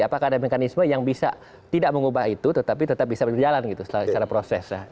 apakah ada mekanisme yang bisa tidak mengubah itu tetapi tetap bisa berjalan gitu secara proses